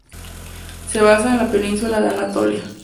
Se basa en la península de Anatolia.